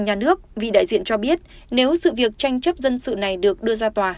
nhà nước vị đại diện cho biết nếu sự việc tranh chấp dân sự này được đưa ra tòa